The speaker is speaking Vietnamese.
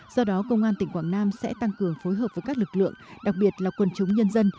do đó công an tỉnh quảng nam sẽ tăng cường phối hợp với các lực lượng đặc biệt là quân chúng nhân dân